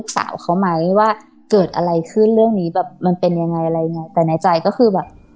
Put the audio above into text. สาวเขาไหมว่าเกิดอะไรขึ้นเรื่องนี้แบบมันเป็นยังไงอะไรอย่างเงี้ยแต่ในใจก็คือแบบ